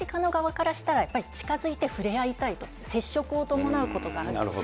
政治家側からしたら、やっぱり近づいて触れ合いたいと、接触を伴うことがあると。